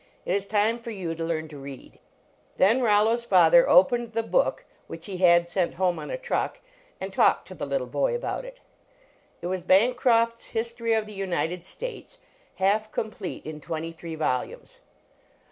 It is time for you to learn to read . Then Rollo s father opened the book which he had sent home on a truck and talked to the little boy about it. It was Bancroft s History of the United States, half complete in twenty three volumes.